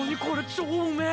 超うめぇ。